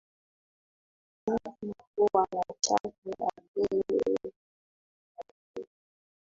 Mtu ni kuwa na chake, hakuwi ela kwa kitu